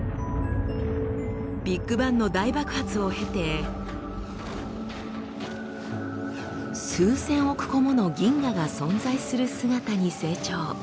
ビッグバンの大爆発を経て数千億個もの銀河が存在する姿に成長。